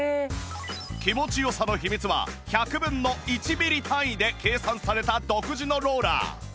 気持ち良さの秘密は１００分の１ミリ単位で計算された独自のローラー